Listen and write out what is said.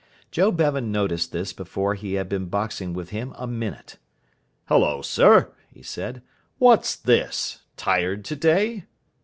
Joe Bevan noticed this before he had been boxing with him a minute. "Hullo, sir," he said, "what's this? Tired today?